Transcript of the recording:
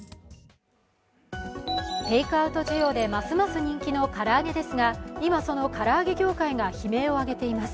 テイクアウト需要でますます人気の唐揚げですが今、その唐揚げ業界が悲鳴を上げています。